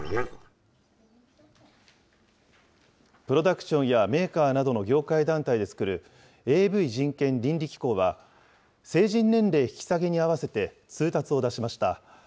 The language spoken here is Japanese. プロダクションやメーカーなどの業界団体で作る、ＡＶ人権倫理機構は、成人年齢引き下げに合わせて通達を出しました。